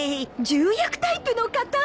重役タイプの方！